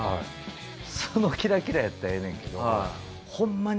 そのキラキラやったらええねんけど。